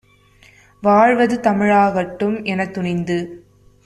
வாழ்வது தமிழாகட்டும்" எனத்துணிந்து